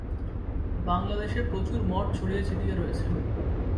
বাংলাদেশে প্রচুর মঠ ছড়িয়ে ছিটিয়ে রয়েছে।